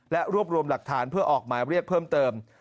และรวบรวมหลักฐานเพื่อออกหมายเรียกเพิ่มเติม